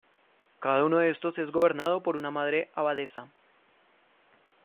Cada uno de estos es gobernado por una madre abadesa.